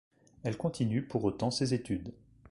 Elle continue pour autant ses études.